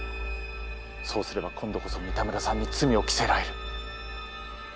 そうすれば今度こそ三田村さんに罪を着せられる。